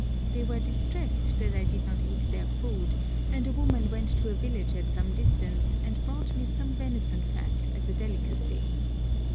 They were distressed that I did not eat their food, and a woman went to a village at some distance and brought me some venison fat as a delicacy.